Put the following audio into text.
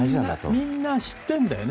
みんな知ってるんだよね